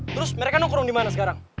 terus mereka nokrum di mana sekarang